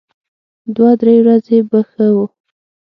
دوه درې ورځې به ښه و.